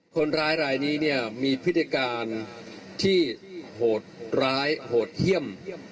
คนร้ายนี้มีพฤติการที่โหดร้ายโหดเฮี่ยม